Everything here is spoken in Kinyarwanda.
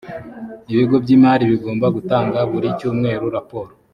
ibigo by’imari bigomba gutanga buri cyumweru raporo